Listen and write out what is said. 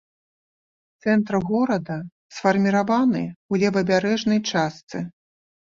Цэнтр горада сфарміраваны ў левабярэжнай частцы.